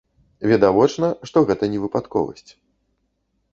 Відавочна, што гэта не выпадковасць.